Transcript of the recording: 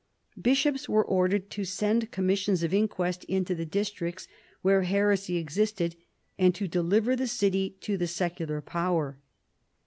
Bishops were ordered to send com missions of inquest into the districts where heresy existed, and to deliver the city to the secular power.